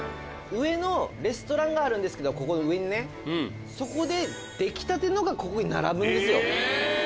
レストランがあるんですけどここ上にね。そこで出来たてのがここに並ぶんですよ。